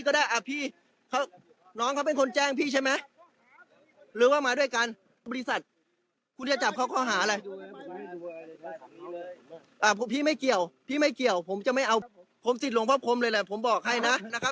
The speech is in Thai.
ชาวบ้านเขาก็สงสัยกันนะคุณว่านี่ตำรวจแสดงตัวข้อหาแบบนี้